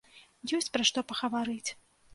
Ёсць пра што пагаварыць!